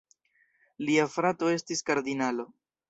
Lia frato estis kardinalo.